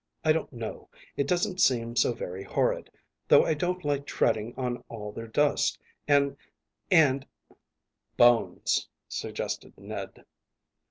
I don't know; it doesn't seem so very horrid, though I don't like treading on all their dust and and " "Bones," suggested Ned.